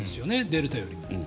デルタよりも。